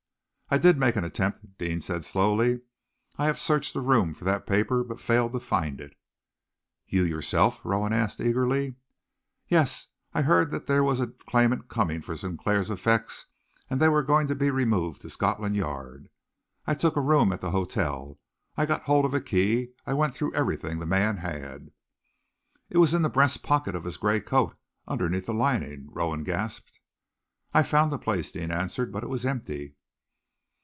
"I did make an attempt," Deane said slowly. "I have searched the room for that paper, but failed to find it." "You yourself?" Rowan asked eagerly. "Yes! I heard that there was a claimant coming for Sinclair's effects, and that they were going to be removed to Scotland Yard. I took a room at the hotel, and I got hold of a key. I went through everything the man had." "It was in the breast pocket of his gray coat, underneath the lining," Rowan gasped. "I found the place," Deane answered, "but it was empty."